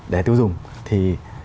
để tiêu dùng thì